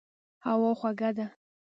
هوا خوږه ده.